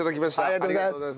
ありがとうございます。